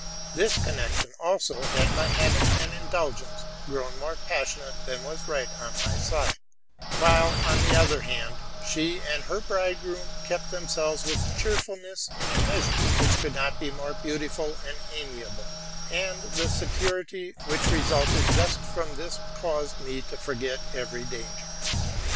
This connection also had, by habit and indulgence, grown more passionate than right on my side: while, on the other hand, she and her bridegroom kept themselves with cheerful ness in & measure which could not be more beautiful and amiable ; and the security which resulted just from this caused me to forget every danger.